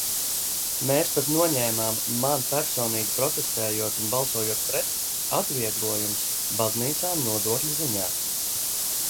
"Mēs pat noņēmām, man personīgi protestējot un balsojot "pret", atvieglojumus baznīcām nodokļu ziņā."